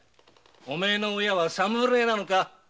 お前の親は侍なのか。